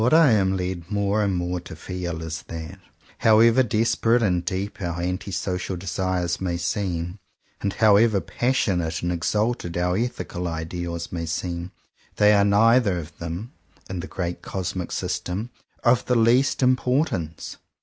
What I am led more and more to feel is that, however desperate and deep our anti social desires may seem, and however passionate and exalted our ethical ideals may seem, they are neither of them, in the great cosmic system, of the least importance.